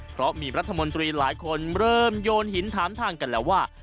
เพราะมีรัฐมนตรีหลายคนเริ่มโยนหินถามทางกันแล้วว่า